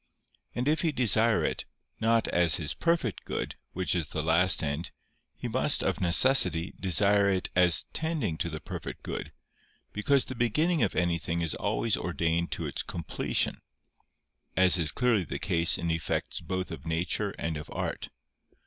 And if he desire it, not as his perfect good, which is the last end, he must, of necessity, desire it as tending to the perfect good, because the beginning of anything is always ordained to its completion; as is clearly the case in effects both of nature and of art.